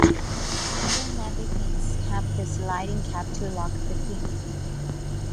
Modern nappy pins have the sliding cap to lock the pin.